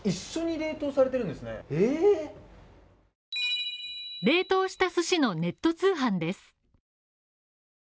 冷凍した寿司のネット通販です。